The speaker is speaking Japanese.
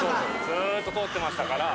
ずっと通ってましたから。